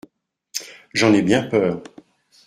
j'en ai bien peur !